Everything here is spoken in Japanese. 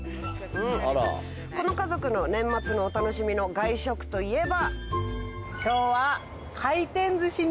この家族の年末のお楽しみの外食といえば。